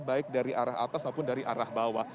baik dari arah atas maupun dari arah bawah